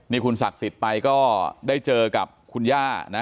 นี่คุณศักดิ์สิทธิ์ไปก็ได้เจอกับคุณย่านะ